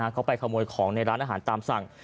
เขาไปขโมยของในร้านอาหารตามสั่ง